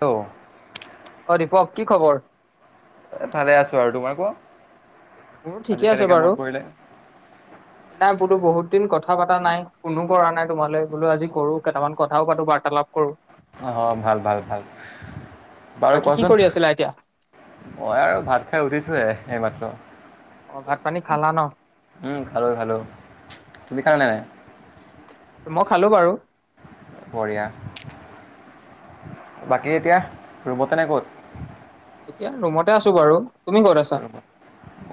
ল' অ', দীপক কি খবৰ? এ ভালে আছো আৰু তোমাৰ কোৱা। মোৰ আজি ঠিকে আছে কেনেকে মন বাৰু। পৰিলে? তো বহুত দিন কথা পাতা নাই কোনো কৰা নাই তোমালৈ বোলো আজি কৰো কেইটামান কথাও পাতো বাৰ্তালাপ কৰোঁ। অহ, ভাল, ভাল, ভাল, বাৰু বাকী কি কোৱাচোন কৰি আছিলা এতিয়া মই আৰু ভাত খাই উঠিছো হে এইমাত্ৰ। অ', ভাত পানী খালা ন? কাৰণাই। মই খালো বাৰু। বঢ়িয়া। বাকী এতিয়া ৰুমত এনে ক'ত? এতিয়া ৰুমতে আছো বাৰু, তুমি ক'ত আছা?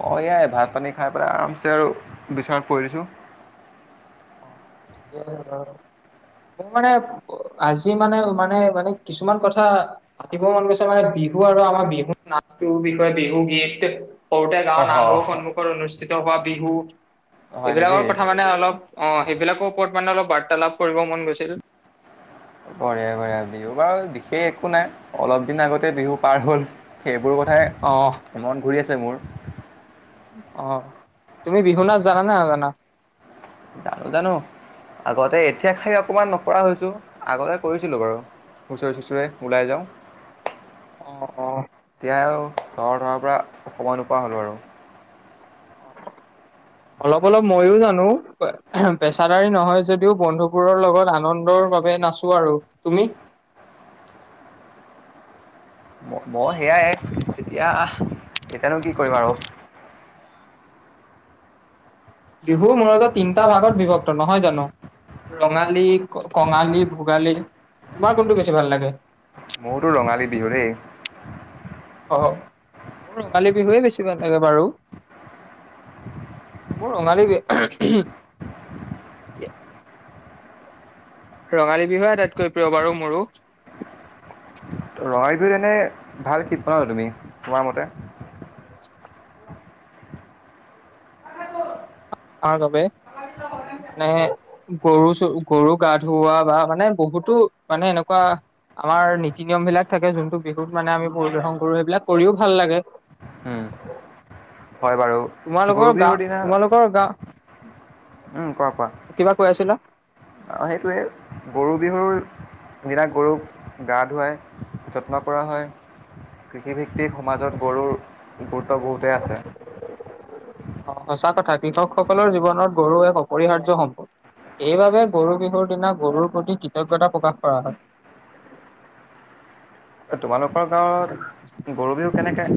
অ', এয়াই ভাত পানী খাই পেলাই আৰামছে আৰু বিচনাত পৰি দিছো। মোৰ মানে আজি মানে, মানে, মানে কিছুমান কথা পাতিব মন গৈছে মানে বিহু আৰু আমাৰ বিহু নাচটোৰ বিষয়ে বিহু গীত সৰুতে গাঁৱৰ নামঘৰ সন্মুখত অনুষ্ঠিত এইবাৰ বিহু হয় নেকি? এইবিলাকৰ কথা মানে অলপ অ', সেইবিলাকৰ ওপৰত মানে অলপ বাৰ্তালাপ কৰিব মন গৈছিল। কৰে ঘৰে বিহু বাৰু বিশেষ একো নাই অলপ দিন আগতে বিহু পাৰ হ'ল সেই সবোৰ অহ কথাই মন কৰি আছিলো। মোৰ অ' তুমি বিহু নাচ জানা নে নাজানা? জানো-জানো আগতে এতিয়া খালি অকমান নপৰা হৈছো আগতে কৰিছিলোঁ বাৰু হুঁচৰি-চুচৰি ওলাই যাওঁ। অ-অ, এতিয়া আৰু চহৰ হোৱাৰ পৰা সময় নোপোৱা হ'লোঁ আৰু! অলপ-অলপ ময়ো জানো পেছাদাৰী নহয় যদিও বন্ধুবোৰৰ লগত আনন্দৰ বাবে নাচো আৰু। তুমি? মই সেয়াই তেতিয়া এতিআনো কি কৰিম আৰু। বিহু মূলত মোৰতো তিনটা ভাগত বিভক্ত নহয় জানো? ৰঙালী ক- কঙালী ভোগালী তোমাৰ কোনটো বেছি ভাল লাগে? ৰঙালী বিহু দেই। অ' মোৰ ৰঙালী বিহুৱে বেছি ভাল লাগে বাৰু। মোৰ ৰঙালী ৰঙালী বিহুৱে আটাইতকৈ প্ৰিয় বাৰু মোৰো। ৰঙাই বিহুত এনেই ভাল খিপ কৰা তুমিমাৰ মতে, তাৰ বাবে মানে গৰু চ গৰু গা ধওৱা বা মানে বহুতো মানে এনেকুৱা আমাৰ নীতি নিয়ম বিলাক থাকে যোনটো বিহুত মানে আমি পৰিৱেশন কৰো সেইবিলাক কৰিও ভাল লাগে। হয় বাৰু গৰু তোমালোকৰ গা বিহুৰ দিনা তোমালোকৰ গা উম' কোৱা-কোৱা। কিবা কৈ আছিলা, আৰু সেইটোৱে গৰু বিহুৰ দিনা গৰুক গা ধুৱাই যত্ন কৰা হয় কৃষিভিত্তিক সমাজত গৰুৰ গুৰুত্ব বহুতেই আছে। অঁহ সঁচা কথা কৃষকসকলৰ জীৱনত গৰু এক অপৰিহাৰ্য সম্পদ এইবাবে গৰু বিহুৰ দিনা গৰুৰ প্ৰতি কৃতজ্ঞতা প্ৰকাশ কৰা হয়। তোমালোকৰ গাঁৱত, গৰু বিহু কেনেকে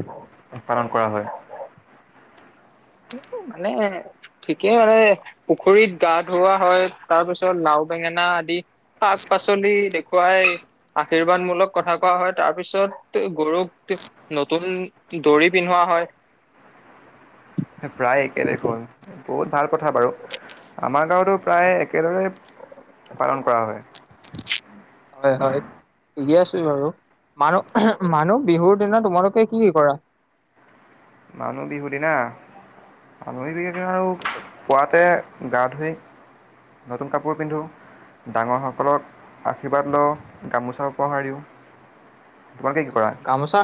পালন কৰা হয়? মানে ঠিকেই মানে পুখুৰীত গা ধুওৱা হয় তাৰপিছত লাও-বেঙেনা আদি শাক-পাচলি দেখুৱাই আশীৰ্বাদমূলক কথা কোৱা হয়, তাৰপিছত গৰুক নতুন দৰি পিন্ধোৱা হয়। প্ৰায় একে দেখোন। ক'ত ভাল কথা বাৰু আমাৰ গাঁৱতো প্ৰায় একেদৰে পালন কৰা হয়। হয়-হয়, ঠিকে আছে বাৰু মানুহ-মানুহ বিহুৰ দিনা তোমালোকে কি কৰা? মানুহ বিহুৰ দিনা, মানুহ বিহুনা আৰু পুৱাতে গা ধুই নতুন কাপোৰ পিন্ধো ডাঙৰসকলক আশীৰ্বাদ লওঁ, গামোচা উপহাৰ দিওঁ। তোমালোকে কি কৰা? আচ্ছা, গামোচা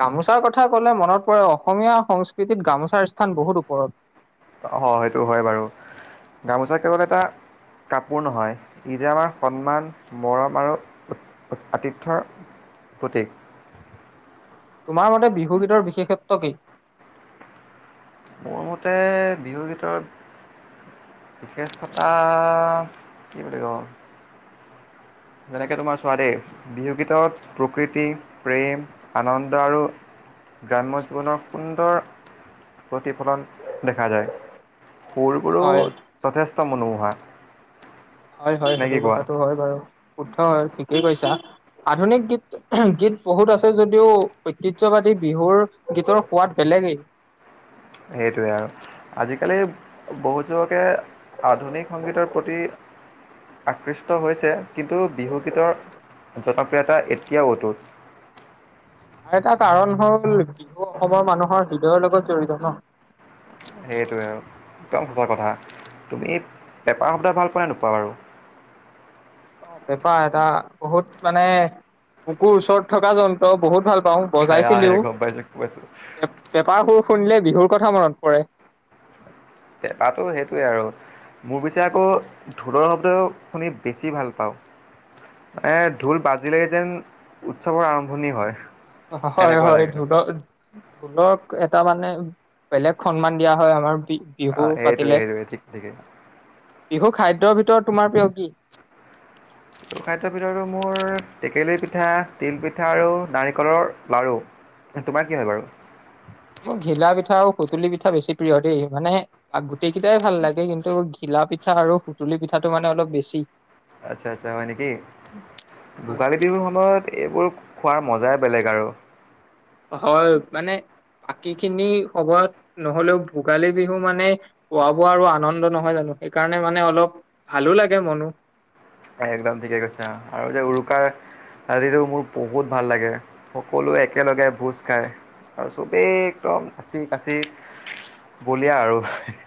গামোচাৰ কথা কলে মনত পৰে অসমীয়া সংস্কৃতিত গামোচাৰ স্থান বহুত ওপৰত। হয়, সেইটো হয় বাৰু গামোচা কেৱল এটা কাপোৰ নহয় ই যে আমাৰ সন্মান মৰম আৰু আতিথ্যৰ প্ৰতীক। তোমাৰ মতে বিহুগীতৰ বিশেষত্ব কি? মোৰমতে বিহুগীতৰ বিশেষতা কি বুলি কম, যেনেকে তোমাৰ সোৱাদেই বিহুগীতত প্ৰকৃতি, প্ৰেম আনন্দ আৰু গ্ৰাম্য জীৱনৰ সুন্দৰ প্ৰতিফলন, দেখা যায় সুৰবোৰো হয় যথেষ্ট ত মনো মোহা। হয়-হয়, সেইটো কথাটো হয় বাৰু। কোঠা হয় ঠিক, ঠিকেই কৈচা আধুনিক গীত গীত বহুত আছে যদিও ঐতিহ্যবাদী বিহুৰ গীতৰ সোৱাদ বেলেগেই সেইটোৱে আৰু আজিকালি বহুত যুৱকে আধুনিক সংগীতৰ প্ৰতি আকৃষ্ট হৈছে কিন্তু বিহুগীতৰ জনপ্ৰিয়তা এতিয়াও অতুট আৰু এটা কাৰণ হল বিহু অসমৰ মানুহৰ হৃদয়ৰ লগত জড়িত ন সেইটোৱে আৰু একদম সচৰ কথা তুমি পেপাৰ শব্দ ভাল পোৱা নোপোৱা বাৰু অ বেপাৰ এটা বহুত মানে কুকুৰ ওচৰত থকা যন্ত্ৰ বহুত ভাল পাওঁ আহে বজাইছিলিও গম পাইছো গম পাইছো পেপাৰ সুৰ শুনিলে বিহুৰ কথা মনত পৰে এপাতো সেইটোৱে আৰু মোৰ পিছে আকৌ ঢোলৰ শব্দ শুনি বেছি ভাল পাওঁ মানে ঢোল বাজিল লৈকে যেন উৎসৱৰ আৰম্ভণি হয় হয় সেনেকুৱা হয় লাগে ঢলক ঢোলক এটা মানে বেলেগ সন্মান দিয়া হয় আমাৰ বি বিহু অ সেইটোৱে পাতিলে। সেইটোৱে ঠিকে বিহু খাদ্যৰ ভিতৰত তোমাৰ প্ৰিয় কি ত খাদ্যৰ ভিতৰতো মোৰ টেকেলী পিঠা তিলপিঠা আৰু নাৰিকলৰ লাড়ু তোমাৰ কি হয় বাৰু মোৰ ঘিলা পিঠা আৰু সুতুলি পিঠা বেছি প্ৰিয় দেই মানে গোটেইকেইটাই ভাল লাগে কিন্তু ঘিলা পিঠা আৰু সুতুলি পিঠাটো মানে অলপ বেছি আচ্ছা আচ্ছা হয় নেকি হয় ভোগালী বিহুৰ সময়ত এইবোৰ খোৱাৰ মজাই বেলেগ আৰু হয় মানে বাকী খিনি সময়ত নহলেও ভোগালী বিহু মানে খোৱা বোৱা আৰু আনন্দ নহয় জানো সেইকাৰণে মানে অলপ ভালো লাগে মনো এ একদম ঠিকে কৈছা আৰু যে উৰুকাৰ ৰাতিটো মোৰ বহুত ভাল লাগে সকলোৱে একেলগে ভোজ খাই আৰু চবেই একদম কাচি কাচি বলিয়া আৰু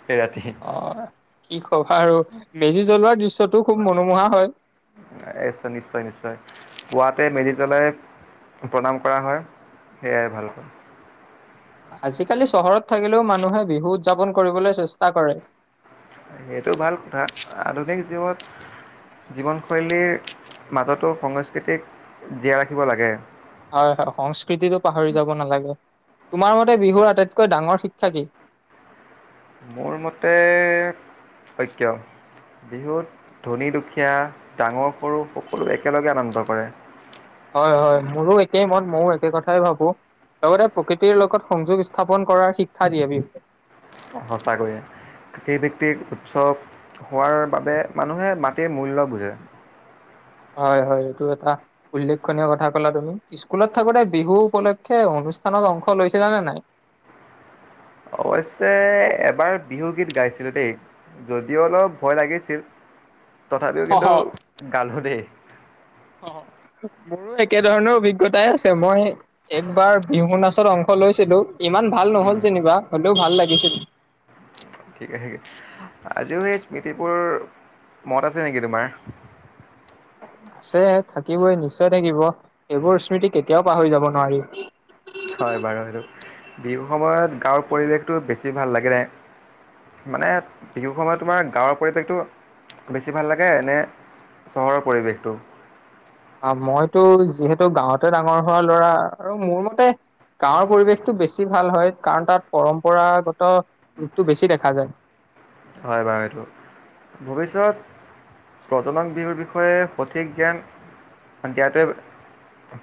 সেই ৰাতি অ কি কবা আৰু মেজি জ্বলোৱাৰ দৃশ্য পিছতো খুব মনোমোহা হয় শ্চয় নিশ্চয় নিশ্চয় পুৱাতে মেজি জ্বলাই প্ৰণাম কৰা হয় সেইয়াই ভালক আজিকালি চহৰত থাকিলেও মানুহে বিহু উদযাপন কৰিবলৈ চেষ্টা কৰে সেইটো ভাল কথা আধুনিক জীৱন জীৱনশৈলীৰ মাজতো সংস্কৃতিক জীয়াই ৰাখিব লাগে হয় সংস্কৃতিটো পাহৰি যাব নালাগে তোমাৰ মতে বিহুৰ আটাইতকৈ ডাঙৰ শিক্ষা কি মোৰ মতে সত্য বিহুত ধনী দুখীয়া ডাঙৰ সৰু সকলো একেলগে আনন্দ কৰে হয় হয় মোৰো এক মত ময়ো একে কথাই ভাবো লগতে প্ৰকৃতিৰ লগত সংযোগ স্থাপন কৰাৰ শিক্ষা দিয়ে বিষে সঁচাকৈয়ে সেই ভিতিক উৎসৱ হোৱাৰ বাবে মানুহে মাটিৰ মূল্য বুজে হয় হয় এইটো এটা উল্লেখনীয় কথা কলা তুমি স্কুলত থাকোতে বিহু উপলক্ষে অনুষ্ঠানত অংশ লৈছিলানে নাই অৱশ্যে এবাৰ বিহু গীত গাইছিলো দেই যদিও অলপ ভয় লাগিছিল তথাপিও কিন্তু গালো দেই অ মোৰো একেধৰণৰ অভিজ্ঞতাই আছে মই একবাৰ বিহু নাচত অংশ লৈছিলো ইমান ভাল উম নহল যেনিবা হলেও ভাল লাগিছিল ঠিকে আজিও সেই স্মৃতিবোৰ মনত আছে নেকি তোমাৰ আছে থাকিবই নিশ্চয় থাকিব এইবোৰ স্মৃতি কেতিয়াও পাহৰি যাব নোৱাৰি হয় বাৰু সেইটো বিহুৰ সময়ত গাঁৱৰ পৰিৱেশটো বেছি ভাল লাগে ন মানে বিহু সময়ত তোমাৰ গাঁৱৰ পৰিৱেশটো বেছি ভাল লাগে নে চহৰৰ পৰিৱেশটো মইতো যিহেতু গাঁৱতে ডাঙৰ হোৱা ল'ৰা আৰু মোৰ মতে গাঁৱৰ পৰিৱেশটো বেছি ভাল হয় কাৰণ তাত পৰম্পৰাগত ৰূপটো বেছি দেখা যায় হয় বাৰু এইটো ভৱিষ্যত প [unintelligible] বিহুৰ বিষয়ে সঠিক জ্ঞান দিয়াটোৱে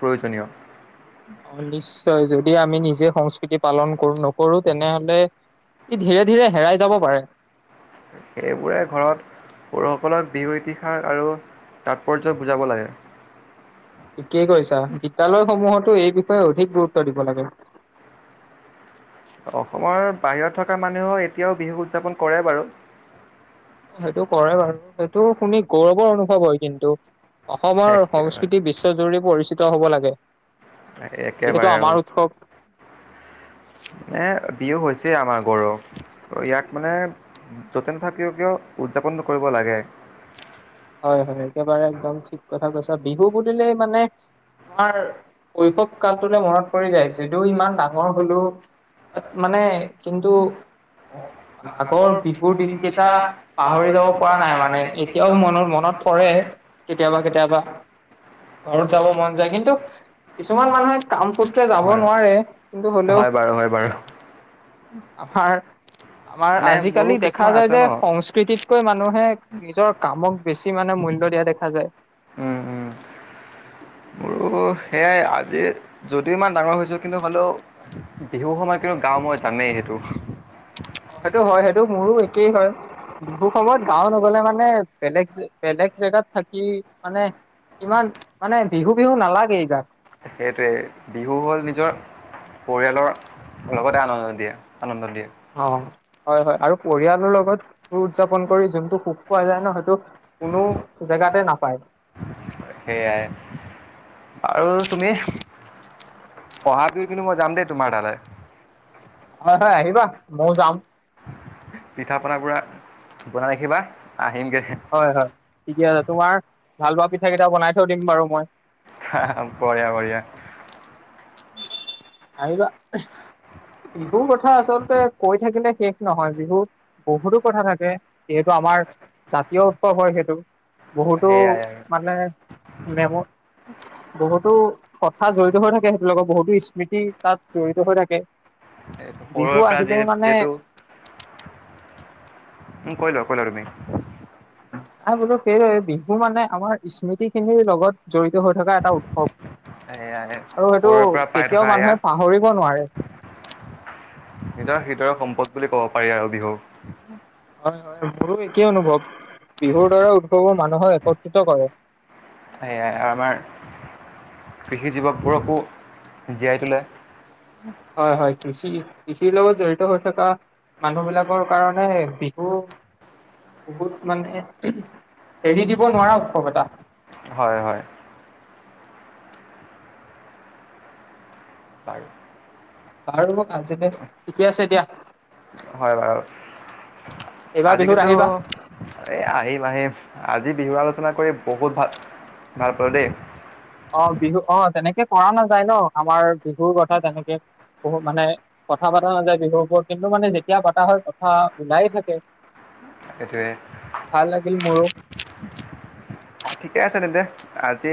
প্ৰয়োজনীয় অলিছ নিশ্চয় যদি আমি নিজে সংস্কৃতি পালন কৰো নকৰো তেনেহলে ই ধীৰে ধীৰে হেৰাই যাব পাৰে সেইবোৰে ঘৰত সৰুসকলক বিহু ইতিহাস আৰু তাৎপৰ্য বুজাব লাগে ঠিকেই কৈছা বিদ্যালয়সমূহতো এই বিষয়ে অধিক গুৰুত্ব দিব লাগে অসমৰ বাহিৰত থকা মানুহে এতিয়াও বিহুক উদযাপন কৰে বাৰু সেইটো কৰে বাৰু সেইটো শুনি গৌৰৱৰ অনুভৱ হয় কিন্তু অসমৰ একেবাৰে সংস্কৃতি বিশ্ব জৰুৰী পৰিস্থিতি হ'ব লাগে যিহেতু একেবাৰে আৰু আমাৰ উৎসৱ এ বিহু হৈছে আমাৰ গৰুৰ ত ইয়াক মানে য'তে নথ কিও কিয় উদযাপন কৰিব লাগে হয় হয় একেবাৰে একদম ঠিক কথা কৈছ বিহু বুলিলেই মানে আমাৰ শৈশৱ কালটোলৈ মনত পৰি যায়ছে এইটোও ইমান ডাঙৰ হলো মানে কিন্তু আগৰ বিু ো [unintelligible] ৰ দিনকেইটা পাহৰি যাব পৰা নাই মানে এতিয়াও মনৰ মনত পৰে কেতিয়াবা কেতিয়াবা ঘৰত যাব মন যায় কিন্তু কিছুমান মানুহে কামপুত্ৰে যাব হয় নোৱাৰে কিন্তু হলেও হয় বাৰু হয় বাৰু আমাৰ আমাৰ মানে মোৰো আজিকালি দেখা কিছুমান যায় আছে যে ন। সংস্কৃতিত কৈ মানুহে নিজৰ কামক বেছি মানৰ মূল্য দিয়া দেখা যায় উম উম মোৰো সেয়াই আজি যদিও ইমান ডাঙৰ হৈছো কিন্তু হালেও বিহু সময়ত কিন্তু গাও মই জানেই সেইটো অ', সেইটো হয় সেইটো মোৰো একেই হয় বিহু সময়ত গাও নগলে মানে বেলেগ বেলেগ জেগাত থাকি মানে ইমান মানে বিহু বিহু নালাগেই গাত সেইটোৱে বিহু হল নিজৰ পৰিয়ালৰ লগতে আনন্দ দিয়া আনন্দ দিয়ে অ'। হয় হয় আৰু পৰিয়ালৰ লগত স উদযাপন কৰি যোনটো সুখ পোৱা যায় ন হয়টো কোনো জেগাতে নাপায় সেইয়াই আৰু তুমি পঢ়া কিন্তু মই যাম দেই তোমাৰ তালৈ হয় হয় আহিবা মও যাম পিঠা পনা পুৰা বনাই ৰাখিবা আহিমগৈহে হয় হয়। ঠিকে আছে তোমাৰ ভাল পোৱা পিঠা কেইটা বনাই থৈ দিম বাৰু মই হা হা বঢ়িয়া বঢ়িয়া আহিবা বিহুৰ কথা আচলতে কৈ থাকিলে শেষ নহয় বিহুত বহুতো কথা থাকে যিহেতু আমাৰ জাতীয় উৎসৱ হয় সেইটো বহুতো সেইয়াই আৰু মানে মেমত বহুতো হথাৎ জড়িত হৈ থাকে সেইটো লগত বহুতো স্মৃতি তাত জড়িত হৈ থাকে এইটো বিহু সৰুৰে পৰা আহিলেই যিহে মানে যিহেতু উম ', কৈ লোৱা, কৈ লোৱা তুমি? নাই বোলো সেইদৰে বিহু মানে আমাৰ স্মৃতি- -খিনিৰ লগত জড়িত হৈ থকা এটা উৎসৱ। সেয়াই আৰু সেইটো সৰুৰে পৰা পাই কেতিয়াও থকা এয়া মানুহে পাহৰিব নোৱাৰে। নিজৰ হৃদয়ৰ সম্পদ বুলি কব পাৰি আৰু বিহুক। হয়- হয় মোৰো একেই অনুভৱ বিহুৰ দ্বাৰা উৎসৱোৰ মানুহক একত্ৰিত কৰে। সেয়াই আমাৰ কৃষি যুৱকবোৰকো জীয়াই তোলে। হয়- হয়। কৃষি, কৃষিৰ লগত জড়িত হৈ থকা মানুহ বিলাকৰ কাৰণে বিহু বহুত মানে এৰি দিব নোৱাৰা উৎসৱ এটা। হয় - হয়। বাৰু বাৰু আজিলে ঠিকে আছে দিয়া। হয় বাৰু। এইবাৰ আজি বিহুত কিন্তু আহিবা এ', আহিম - আহিম। আজি বিহু আলোচনা কৰি বহুত ভাল, ভাল পালো দেই। অ ', বিহু অ', তেনেকে কৰা নাযায় ন', আমাৰ বিহুৰ কথা তেনেকে বহুত মানে কথা পতা নাযায় বিহুৰ ওৰত কিন্তু মানে যেতিয়া পতা হয় কথা ওলায়ে থাকে। এইটোৱে। ভাল লাগিল মোৰো। ঠিকে আছে তেন্তে, আজি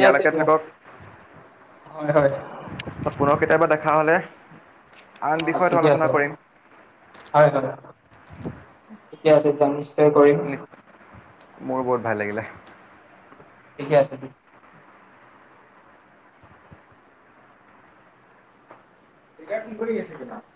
ইয়ালৈকে থাকক। হয়-হয়। পুনৰ কেতিয়াবা দেখা হলে। আন অ', বিষয়টো ঠিকে আছে আলোচনা হয় কৰিম - হয়। ঠিকে আছে দিয়া মিছ, নিচছয় মোৰো বহুত ভাল লাগিলে। ঠিকে আছে দে। দেউতাই ফোন কৰি আছে তোমাক?